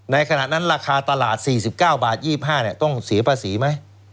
ขณะนั้นราคาตลาด๔๙บาท๒๕ต้องเสียภาษีไหม